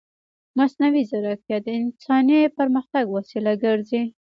مصنوعي ځیرکتیا د انساني پرمختګ وسیله ګرځي.